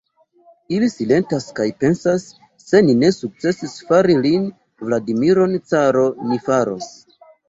Ili silentas kaj pensas: se ni ne sukcesis fari lin, Vladimiron, caro, ni faros.